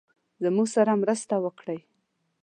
زموږ سره مرسته وکړی.